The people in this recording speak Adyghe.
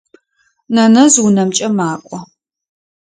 Нэнэжъ унэмкӏэ макӏо.